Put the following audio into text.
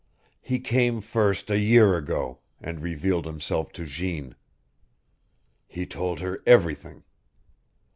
He came first a year ago, and revealed himself to Jeanne. He told her everything.